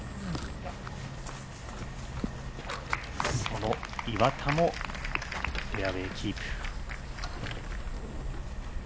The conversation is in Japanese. その岩田もフェアウエーキープ。